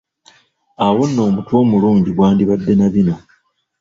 Awo nno, omutwe omulungi gwandibadde na bino: